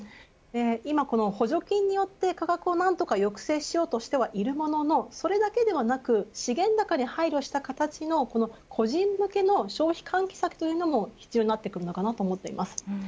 今、補助金によって価格を何とか抑制しようとしてはいるもののそれだけではなく資源高に配慮した形の個人向けの消費喚起策というのも必要になってくると思います。